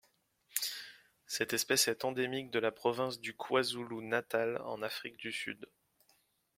Cette espèce est endémique de la province du KwaZulu-Natal en Afrique du Sud.